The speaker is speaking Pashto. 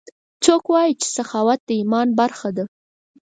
څوک وایي چې سخاوت د ایمان برخه ده